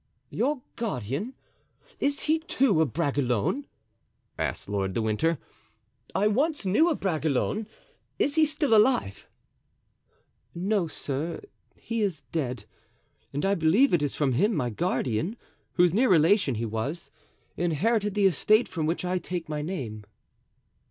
"Your guardian! is he, too, a Bragelonne?" asked Lord de Winter. "I once knew a Bragelonne—is he still alive?" "No, sir, he is dead; and I believe it is from him my guardian, whose near relation he was, inherited the estate from which I take my name."